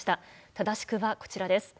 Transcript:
正しくはこちらです。